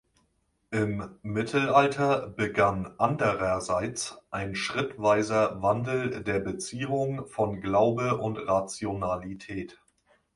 Im Mittelalter begann andererseits ein schrittweiser Wandel der Beziehung von Glaube und Rationalität.